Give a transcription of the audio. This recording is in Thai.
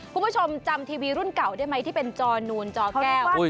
คุณผู้ชมจำทีวีรุ่นเก่าได้ไหมที่เป็นจอนูนจอแก้ว